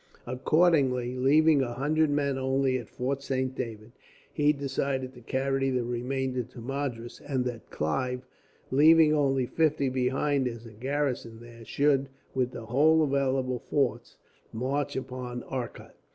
Accordingly, leaving a hundred men only at Fort Saint David, he decided to carry the remainder to Madras; and that Clive, leaving only fifty behind as a garrison there, should, with the whole available force, march upon Arcot.